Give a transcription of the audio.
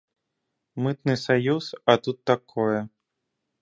Мытны саюз, а тут такое.